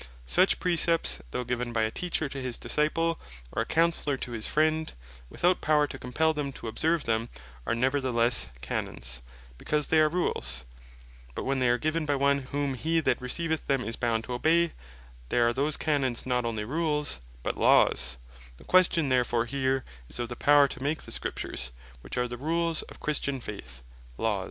Such Precepts, though given by a Teacher to his Disciple, or a Counsellor to his friend, without power to Compell him to observe them, are neverthelesse Canons; because they are Rules: But when they are given by one, whom he that receiveth them is bound to obey, then are those Canons, not onely Rules, but Laws: The question therefore here, is of the Power to make the Scriptures (which are the Rules of Christian Faith) Laws.